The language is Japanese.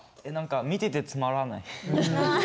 何か見ててつまらない。